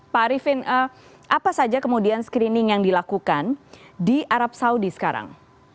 pak arifin apa saja kemudian screening yang dilakukan di arab saudi sekarang